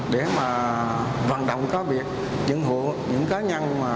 để mà vận động có việc những cá nhân